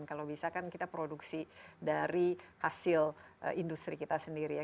kalau bisa kan kita produksi dari hasil industri kita sendiri ya